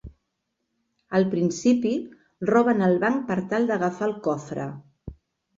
Al principi, roben el banc per tal d’agafar el cofre.